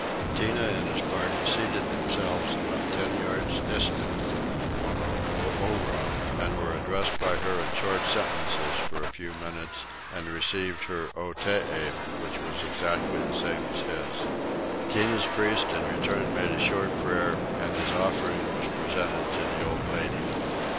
Tinah and his party seated themselves at about ten yards distance from Wanowoora and were addressed by her in short sentences for a few minutes, and received her Otee, which was exactly the same as his. Tinah's priest in return made a short prayer and his offering was presented to the old lady.